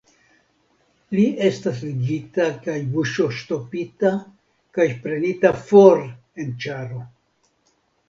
Li estas ligita kaj buŝoŝtopita kaj prenita for en ĉaro.